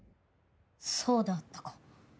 そうであったか。